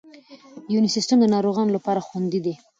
یوني سیسټم د ناروغانو لپاره خوندي دی.